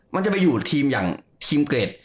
มันจะไปอยู่ทีมอย่างทีมเกรด